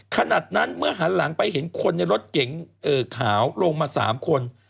ขนาดนั้นเมื่อหันหลังไปเห็นคนในรถเก๋งขาวลงมา๓คน